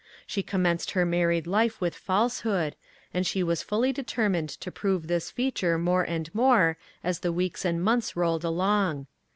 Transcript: She commenced her married life with falsehood, and she was fully determined to prove this feature more and more as the weeks and months rolled along.